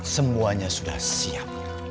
semuanya sudah siap